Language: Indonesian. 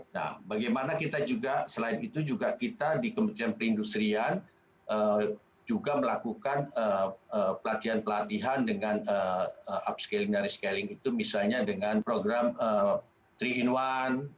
nah bagaimana kita juga selain itu juga kita di kementerian perindustrian juga melakukan pelatihan pelatihan dengan upscaling dari scaling itu misalnya dengan program tiga in satu